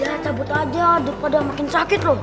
ya cabut aja daripada makin sakit loh